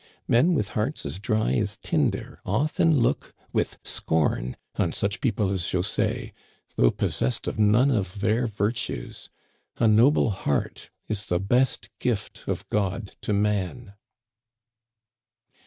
Men with hearts as dry as tinder often look with scorn on such people as José, though possessed of none of their virtues. A noble heart is the best gift of God to man.